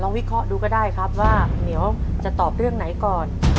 วิเคราะห์ดูก็ได้ครับว่าเหมียวจะตอบเรื่องไหนก่อน